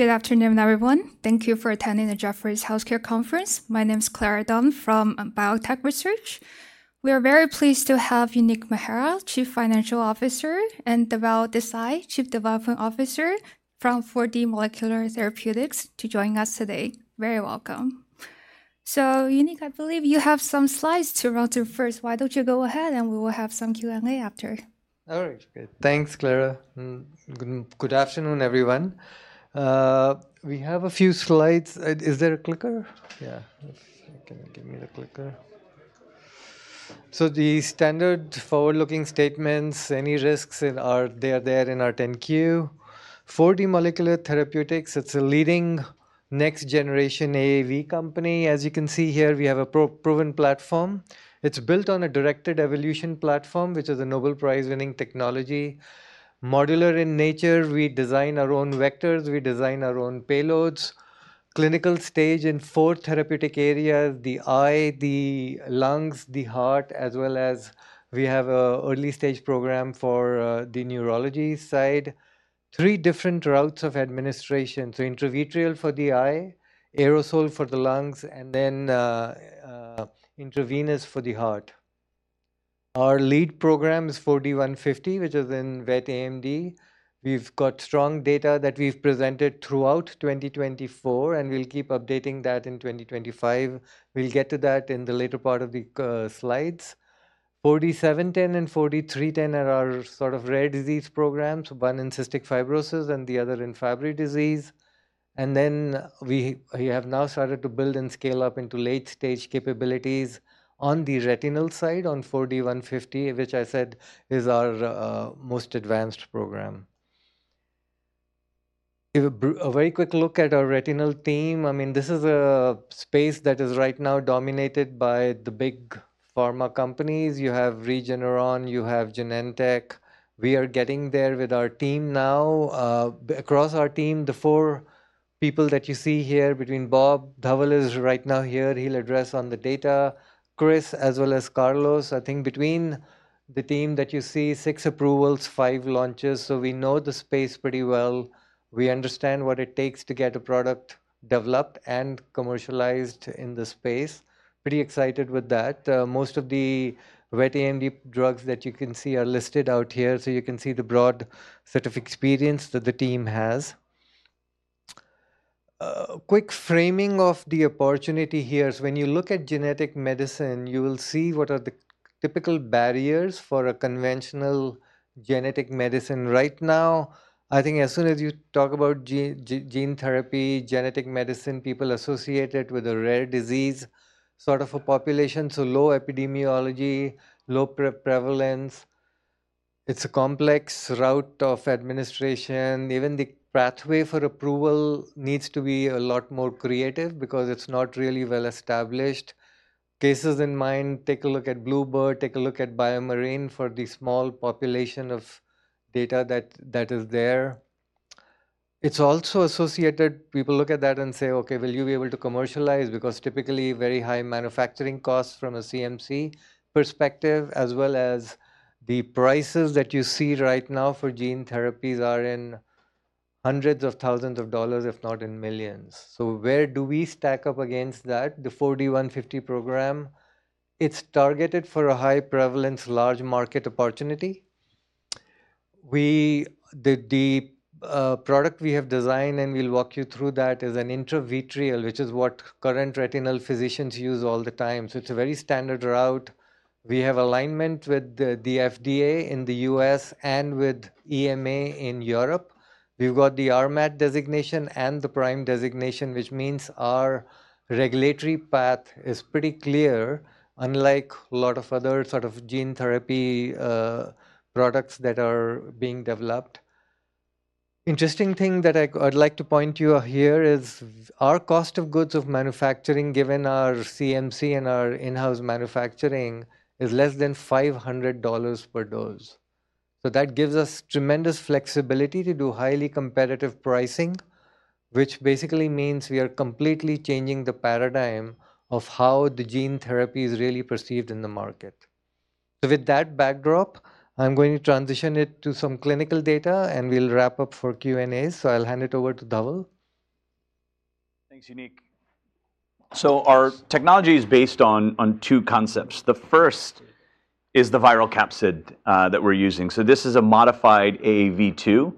Good afternoon, everyone. Thank you for attending the Jefferies Healthcare Conference. My name is Clara Dunn from Biotech Research. We are very pleased to have Uneek Mehra, Chief Financial Officer, and Dhaval Desai, Chief Development Officer from 4D Molecular Therapeutics, to join us today. Very welcome. So, Uneek, I believe you have some slides to run through first. Why don't you go ahead, and we will have some Q&A after. All right. Thanks, Clara. Good afternoon, everyone. We have a few slides. Is there a clicker? Yeah. Give me the clicker. So the standard forward-looking statements, any risks are there in our 10-Q. 4D Molecular Therapeutics, it's a leading next-generation AAV company. As you can see here, we have a proven platform. It's built on a directed evolution platform, which is a Nobel Prize-winning technology. Modular in nature, we design our own vectors, we design our own payloads. Clinical stage in four therapeutic areas: the eye, the lungs, the heart, as well as we have an early-stage program for the neurology side. Three different routes of administration. So intravitreal for the eye, aerosol for the lungs, and then intravenous for the heart. Our lead program is 4D-150, which is in wet AMD. We've got strong data that we've presented throughout 2024, and we'll keep updating that in 2025. We'll get to that in the later part of the slides. 4D-710 and 4D-310 are our sort of rare disease programs, one in cystic fibrosis and the other in Fabry disease. And then we have now started to build and scale up into late-stage capabilities on the retinal side on 4D-150, which I said is our most advanced program. Give a very quick look at our retinal team. I mean, this is a space that is right now dominated by the big pharma companies. You have Regeneron, you have Genentech. We are getting there with our team now. Across our team, the four people that you see here, between Bob, Dhaval is right now here, he'll address on the data, Chris, as well as Carlos. I think between the team that you see, six approvals, five launches. So we know the space pretty well. We understand what it takes to get a product developed and commercialized in the space. Pretty excited with that. Most of the Wet AMD drugs that you can see are listed out here. So you can see the broad sort of experience that the team has. Quick framing of the opportunity here is when you look at genetic medicine, you will see what are the typical barriers for a conventional genetic medicine. Right now, I think as soon as you talk about gene therapy, genetic medicine, people associate it with a rare disease sort of a population. So low epidemiology, low prevalence. It's a complex route of administration. Even the pathway for approval needs to be a lot more creative because it's not really well established. Cases in mind, take a look at bluebird bio, take a look at BioMarin for the small population of data that is there. It's also associated. People look at that and say, okay, will you be able to commercialize? Because typically very high manufacturing costs from a CMC perspective, as well as the prices that you see right now for gene therapies are in hundreds of thousands of dollars, if not in millions. So where do we stack up against that? The 4D-150 program, it's targeted for a high prevalence, large market opportunity. The product we have designed, and we'll walk you through that, is an intravitreal, which is what current retinal physicians use all the time. So it's a very standard route. We have alignment with the FDA in the U.S. and with EMA in Europe. We've got the RMAT designation and the PRIME designation, which means our regulatory path is pretty clear, unlike a lot of other sort of gene therapy products that are being developed. Interesting thing that I'd like to point to here is our cost of goods of manufacturing, given our CMC and our in-house manufacturing, is less than $500 per dose. So that gives us tremendous flexibility to do highly competitive pricing, which basically means we are completely changing the paradigm of how the gene therapy is really perceived in the market. So with that backdrop, I'm going to transition it to some clinical data, and we'll wrap up for Q&A. So I'll hand it over to Dhaval. Thanks, Uneek. So our technology is based on two concepts. The first is the viral capsid that we're using. So this is a modified AAV2.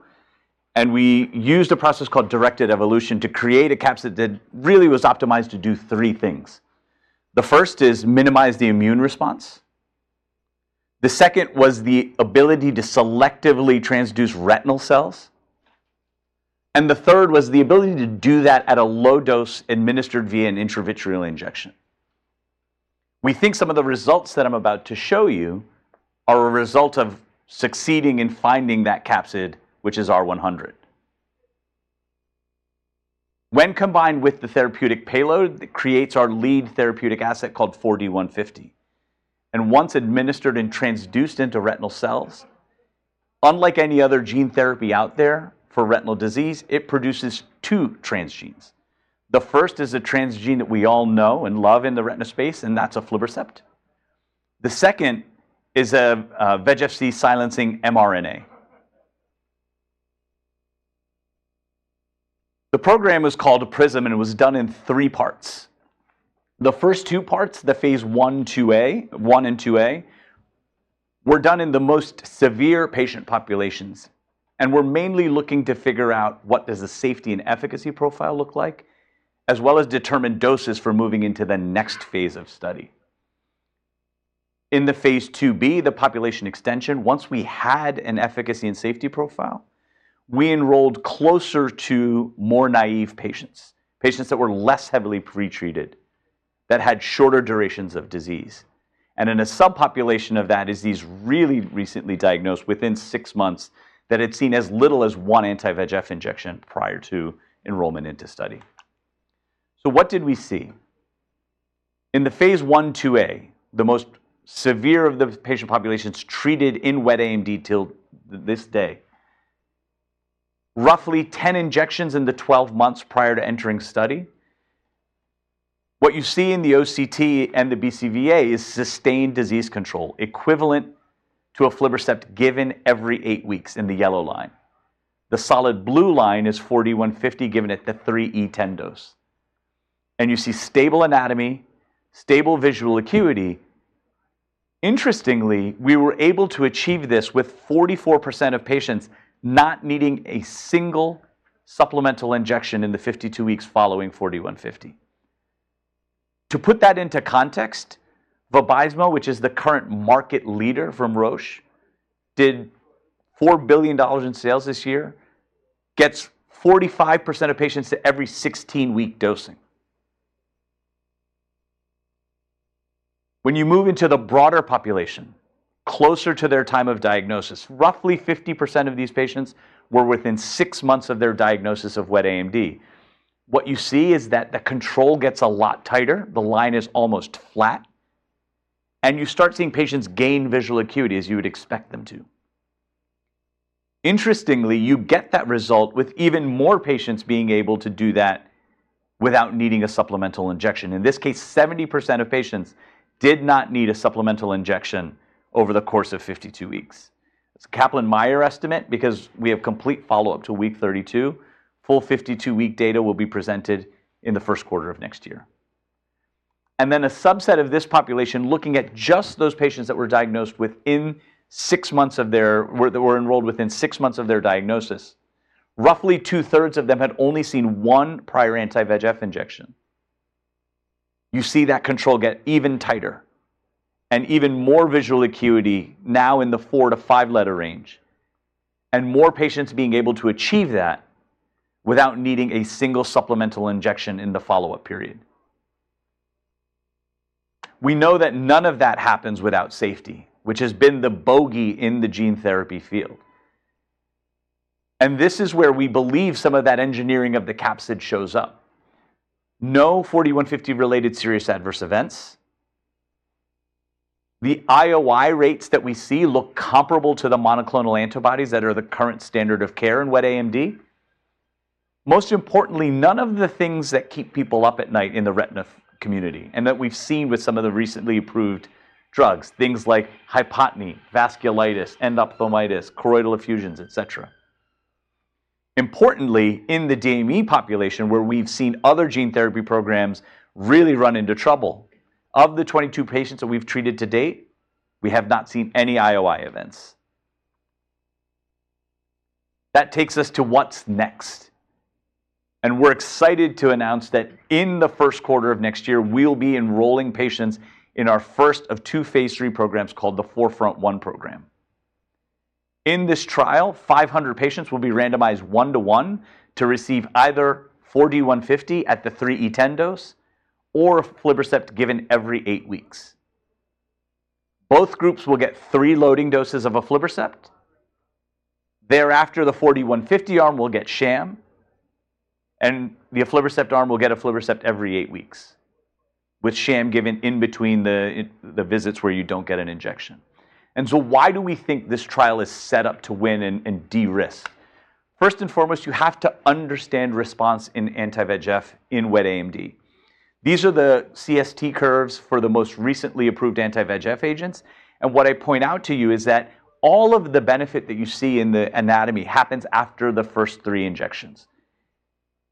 And we used a process called directed evolution to create a capsid that really was optimized to do three things. The first is minimize the immune response. The second was the ability to selectively transduce retinal cells. And the third was the ability to do that at a low dose administered via an intravitreal injection. We think some of the results that I'm about to show you are a result of succeeding in finding that capsid, which is R100. When combined with the therapeutic payload, it creates our lead therapeutic asset called 4D-150. And once administered and transduced into retinal cells, unlike any other gene therapy out there for retinal disease, it produces two transgenes. The first is a transgene that we all know and love in the retinal space, and that's an aflibercept. The second is a VEGF-C silencing mRNA. The program was called a PRISM, and it was done in three parts. The first two parts, the phase I and IIA, were done in the most severe patient populations, and we're mainly looking to figure out what does the safety and efficacy profile look like, as well as determine doses for moving into the next phase of study. In the phase IIB, the population extension, once we had an efficacy and safety profile, we enrolled closer to more naive patients, patients that were less heavily pretreated, that had shorter durations of disease, and in a subpopulation of that is these really recently diagnosed within six months that had seen as little as one anti-VEGF injection prior to enrollment into study. What did we see? In the phase I, IIA, the most severe of the patient populations treated in wet AMD till this day, roughly 10 injections in the 12 months prior to entering study. What you see in the OCT and the BCVA is sustained disease control equivalent to an aflibercept given every eight weeks in the yellow line. The solid blue line is 4D-150 given at the 3E10 dose. You see stable anatomy, stable visual acuity. Interestingly, we were able to achieve this with 44% of patients not needing a single supplemental injection in the 52 weeks following 4D-150. To put that into context, Vabysmo, which is the current market leader from Roche, did $4 billion in sales this year, gets 45% of patients to every 16-week dosing. When you move into the broader population, closer to their time of diagnosis, roughly 50% of these patients were within six months of their diagnosis of wet AMD. What you see is that the control gets a lot tighter, the line is almost flat, and you start seeing patients gain visual acuity as you would expect them to. Interestingly, you get that result with even more patients being able to do that without needing a supplemental injection. In this case, 70% of patients did not need a supplemental injection over the course of 52 weeks. It's Kaplan-Meier estimate because we have complete follow-up to week 32. Full 52-week data will be presented in the Q1 of next year. And then a subset of this population looking at just those patients that were enrolled within six months of their diagnosis, roughly two-thirds of them had only seen one prior anti-VEGF injection. You see that control get even tighter and even more visual acuity now in the four- to five-letter range, and more patients being able to achieve that without needing a single supplemental injection in the follow-up period. We know that none of that happens without safety, which has been the bogey in the gene therapy field. This is where we believe some of that engineering of the capsid shows up. No 4D-150-related serious adverse events. The IOI rates that we see look comparable to the monoclonal antibodies that are the current standard of care in wet AMD. Most importantly, none of the things that keep people up at night in the retina community and that we've seen with some of the recently approved drugs, things like hypotony, vasculitis, endophthalmitis, choroidal effusions, et cetera. Importantly, in the DME population where we've seen other gene therapy programs really run into trouble, of the 22 patients that we've treated to date, we have not seen any IOI events. That takes us to what's next, and we're excited to announce that in the Q1 of next year, we'll be enrolling patients in our first of two phase III programs called the 4FRONT-1 program. In this trial, 500 patients will be randomized one-to-one to receive either 4D-150 at the 3E10 dose or Aflibercept given every eight weeks. Both groups will get three loading doses of a Aflibercept. Thereafter, the 4D-150 arm will get sham, and the Aflibercept arm will get an Aflibercept every eight weeks, with sham given in between the visits where you don't get an injection. And so why do we think this trial is set up to win and de-risk? First and foremost, you have to understand response in anti-VEGF in wet AMD. These are the CST curves for the most recently approved anti-VEGF agents. And what I point out to you is that all of the benefit that you see in the anatomy happens after the first three injections.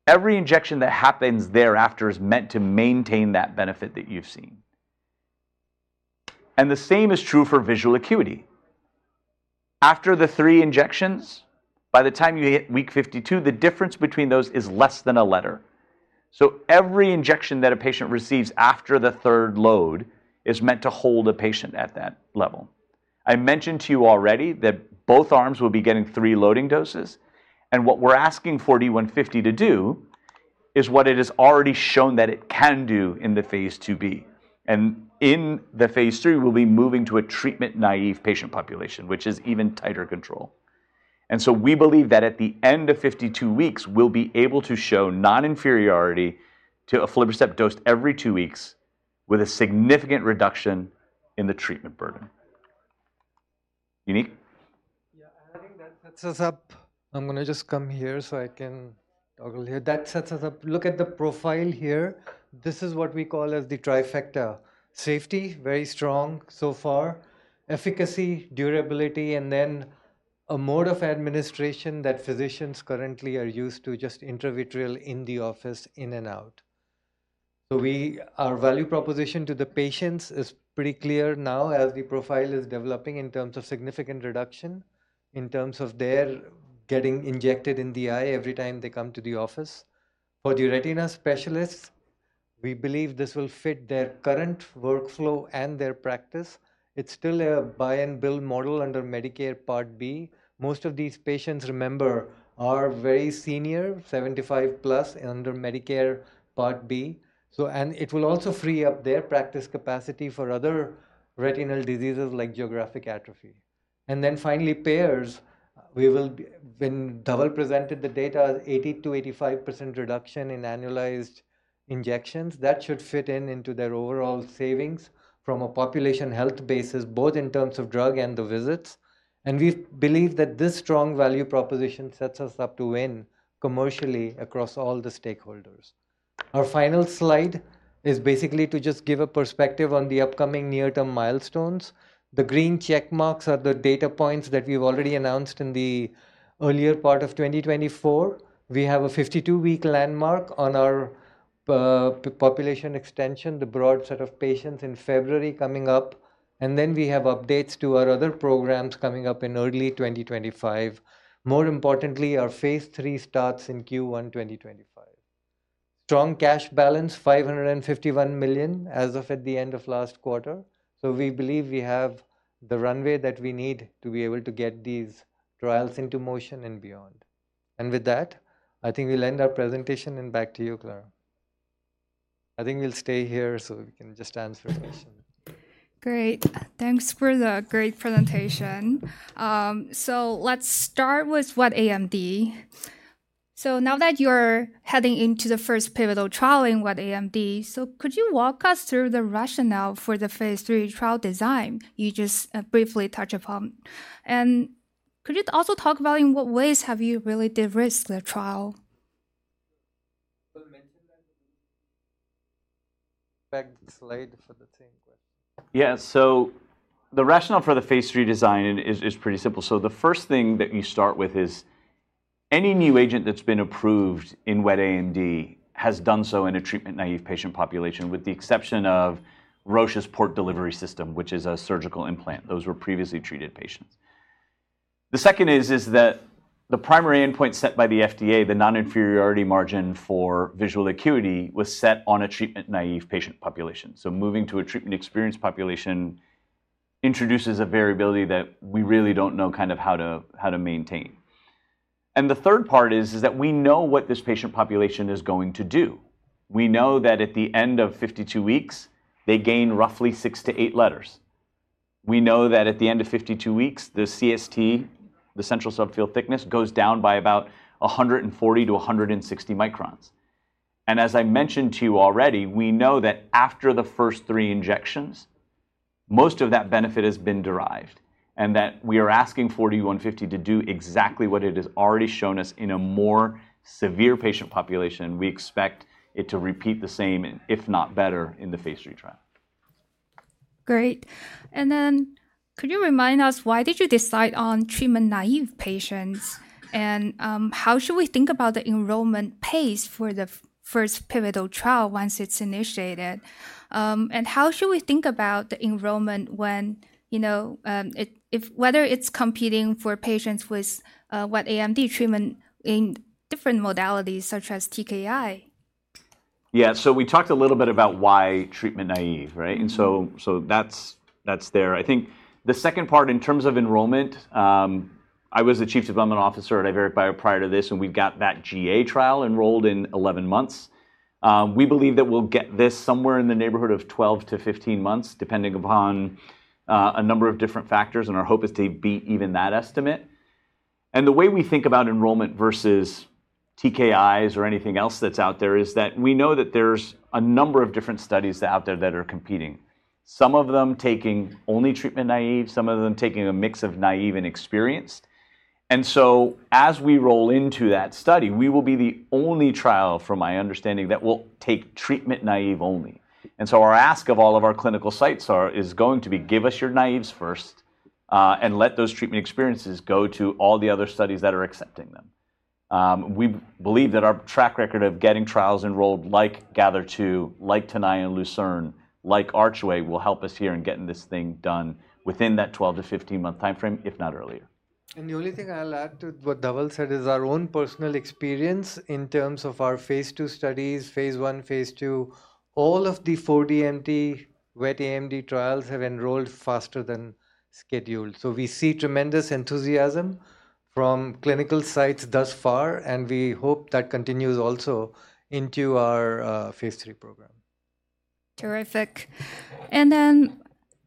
Every injection that happens thereafter is meant to maintain that benefit that you've seen. And the same is true for visual acuity. After the three injections, by the time you hit week 52, the difference between those is less than a letter. Every injection that a patient receives after the third load is meant to hold a patient at that level. I mentioned to you already that both arms will be getting three loading doses. What we're asking 4D-150 to do is what it has already shown that it can do in the phase IIB. In the phase III, we'll be moving to a treatment-naive patient population, which is even tighter control. We believe that at the end of 52 weeks, we'll be able to show non-inferiority to an Aflibercept dose every two weeks with a significant reduction in the treatment burden. Uneek? Yeah, I think that sets us up. I'm going to just come here so I can talk a little here. That sets us up. Look at the profile here. This is what we call as the trifecta: safety, very strong so far, efficacy, durability, and then a mode of administration that physicians currently are used to just intravitreal in the office, in and out. So our value proposition to the patients is pretty clear now as the profile is developing in terms of significant reduction, in terms of their getting injected in the eye every time they come to the office. For the retina specialists, we believe this will fit their current workflow and their practice. It's still a buy-and-build model under Medicare Part B. Most of these patients, remember, are very senior, 75 plus under Medicare Part B. It will also free up their practice capacity for other retinal diseases like geographic atrophy. Then finally, payers, we will, when Dhaval presented the data, 80%-85% reduction in annualized injections. That should fit into their overall savings from a population health basis, both in terms of drug and the visits. And we believe that this strong value proposition sets us up to win commercially across all the stakeholders. Our final slide is basically to just give a perspective on the upcoming near-term milestones. The green checkmarks are the data points that we've already announced in the earlier part of 2024. We have a 52-week landmark on our population extension, the broad set of patients in February coming up. And then we have updates to our other programs coming up in early 2025. More importantly, our phase III starts in Q1 2025. Strong cash balance, $551 million as of at the end of last quarter. So we believe we have the runway that we need to be able to get these trials into motion and beyond. And with that, I think we'll end our presentation and back to you, Clara. I think we'll stay here so we can just answer questions. Great. Thanks for the great presentation. So let's start with Wet AMD. So now that you're heading into the first pivotal trial in Wet AMD, so could you walk us through the rationale for the phase III trial design you just briefly touched upon? And could you also talk about in what ways have you really de-risked the trial? To the slide for the same question. Yeah. So the rationale for the phase III design is pretty simple. So the first thing that you start with is any new agent that's been approved in Wet AMD has done so in a treatment-naive patient population, with the exception of Roche's Port Delivery System, which is a surgical implant. Those were previously treated patients. The second is that the primary endpoint set by the FDA, the non-inferiority margin for visual acuity, was set on a treatment-naive patient population. So moving to a treatment-experienced population introduces a variability that we really don't know kind of how to maintain. And the third part is that we know what this patient population is going to do. We know that at the end of 52 weeks, they gain roughly six to eight letters. We know that at the end of 52 weeks, the CST, the central subfield thickness, goes down by about 140-160 microns, and as I mentioned to you already, we know that after the first three injections, most of that benefit has been derived and that we are asking 4D-150 to do exactly what it has already shown us in a more severe patient population. We expect it to repeat the same, if not better, in the phase III trial. Great. And then could you remind us, why did you decide on treatment-naive patients? And how should we think about the enrollment pace for the first pivotal trial once it's initiated? And how should we think about the enrollment when, whether it's competing for patients with Wet AMD treatment in different modalities such as TKI? Yeah. So we talked a little bit about why treatment-naive, right? And so that's there. I think the second part in terms of enrollment, I was the Chief Development Officer at Iveric Bio prior to this, and we've got that GA trial enrolled in 11 months. We believe that we'll get this somewhere in the neighborhood of 12 to 15 months, depending upon a number of different factors. And our hope is to beat even that estimate. And the way we think about enrollment versus TKIs or anything else that's out there is that we know that there's a number of different studies out there that are competing, some of them taking only treatment-naive, some of them taking a mix of naive and experienced. And so as we roll into that study, we will be the only trial, from my understanding, that will take treatment-naive only. And so our ask of all of our clinical sites is going to be, give us your naïves first and let those treatment experiences go to all the other studies that are accepting them. We believe that our track record of getting trials enrolled like GATHER2, like TENAYA and LUCERNE, like Archway will help us here in getting this thing done within that 12- to 15-month timeframe, if not earlier. And the only thing I'll add to what Dhaval said is our own personal experience in terms of our phase III studies, phase I, phase II. All of the 4DMT wet AMD trials have enrolled faster than scheduled. So we see tremendous enthusiasm from clinical sites thus far, and we hope that continues also into our phase three program. Terrific. And then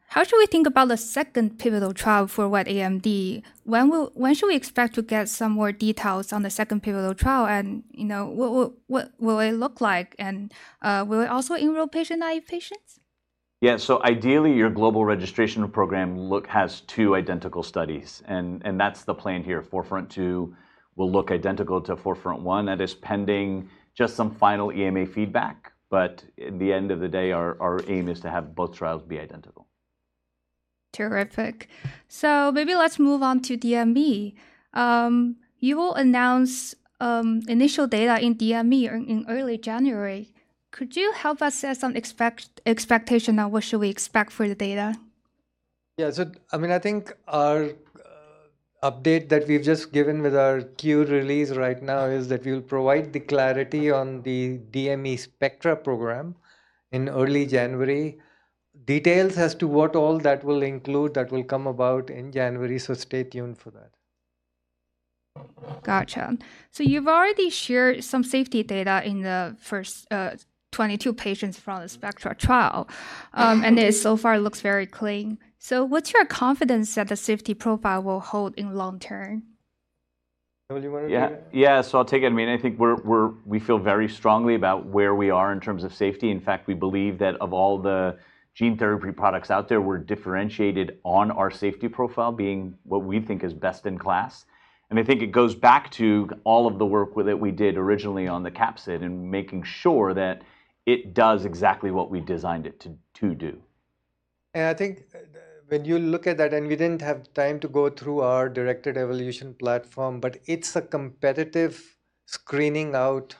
how should we think about the second pivotal trial for Wet AMD? When should we expect to get some more details on the second pivotal trial and what will it look like? And will it also enroll patient-naive patients? Yeah. So ideally, your global registration program has two identical studies. And that's the plan here. 4FRONT-2 will look identical to Forefront One. That is pending just some final EMA feedback. But at the end of the day, our aim is to have both trials be identical. Terrific. So maybe let's move on to DME. You will announce initial data in DME in early January. Could you help us set some expectation on what should we expect for the data? So I mean, I think our update that we've just given with our Q release right now is that we will provide the clarity on the DME SPECTRA program in early January. Details as to what all that will include, that will come about in January. So stay tuned for that. Gotcha. So you've already shared some safety data in the first 22 patients from the Spectra trial. And it so far looks very clean. So what's your confidence that the safety profile will hold in long term? Yeah. So I'll take it. I mean, I think we feel very strongly about where we are in terms of safety. In fact, we believe that of all the gene therapy products out there, we're differentiated on our safety profile being what we think is best in class. And I think it goes back to all of the work that we did originally on the capsid and making sure that it does exactly what we designed it to do. Yeah. I think when you look at that, and we didn't have time to go through our directed evolution platform, but it's a competitive screening out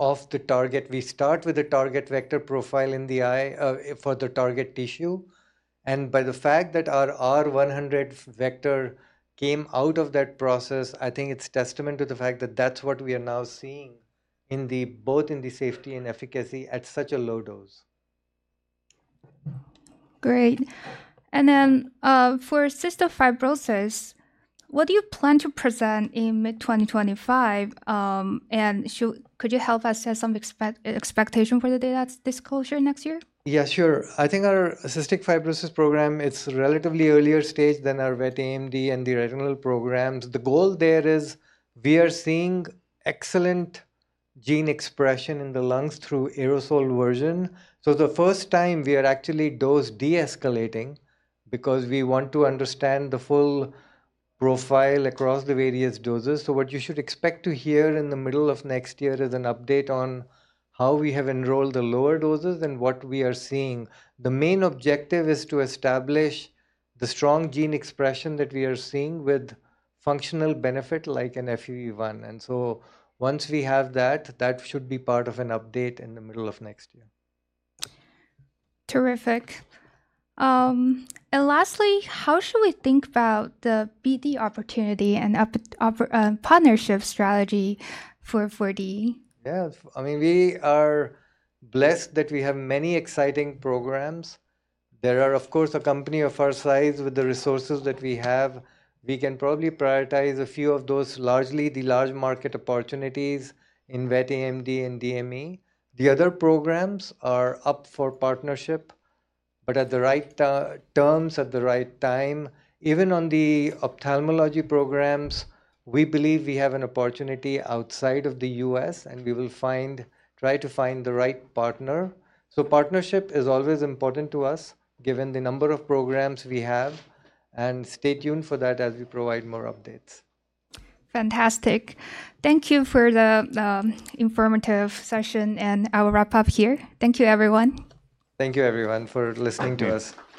of the target. We start with a target vector profile in the eye for the target tissue. By the fact that our R100 vector came out of that process, I think it's testament to the fact that that's what we are now seeing both in the safety and efficacy at such a low dose. Great. And then for cystic fibrosis, what do you plan to present in mid-2025? And could you help us set some expectation for the data disclosure next year? Yeah, sure. I think our cystic fibrosis program, it's relatively earlier stage than our wet AMD and the retinal programs. The goal there is we are seeing excellent gene expression in the lungs through aerosol version. So the first time we are actually dose de-escalating because we want to understand the full profile across the various doses. So what you should expect to hear in the middle of next year is an update on how we have enrolled the lower doses and what we are seeing. The main objective is to establish the strong gene expression that we are seeing with functional benefit like an FEV1. And so once we have that, that should be part of an update in the middle of next year. Terrific. And lastly, how should we think about the BD opportunity and partnership strategy for 4D? Yeah. I mean, we are blessed that we have many exciting programs. There are, of course, a company of our size with the resources that we have. We can probably prioritize a few of those largely the large market opportunities in wet AMD and DME. The other programs are up for partnership, but at the right terms, at the right time. Even on the ophthalmology programs, we believe we have an opportunity outside of the U.S., and we will try to find the right partner. So partnership is always important to us, given the number of programs we have. And stay tuned for that as we provide more updates. Fantastic. Thank you for the informative session, and I will wrap up here. Thank you, everyone. Thank you, everyone, for listening to us.